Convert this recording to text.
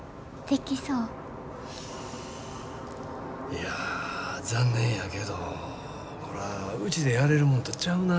いや残念やけどこらうちでやれるもんとちゃうな。